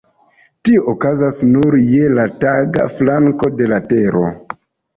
Tio okazas nur je la taga flanko de la Tero.